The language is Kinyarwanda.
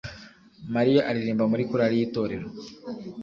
Mariya aririmba muri korari yitorero